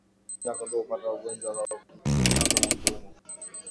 Mbuzi na kondoo hupata ugonjwa kwa kungatwa na mbungo